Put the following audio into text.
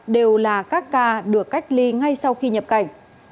đều là các ca được cách ly ngay sau khi nhập cảnh